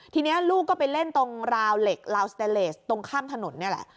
ทีนี้ลูกก็ไปเล่นตรงราวเหล็กลาวสเตนเลสตรงข้ามถนนนี่แหละ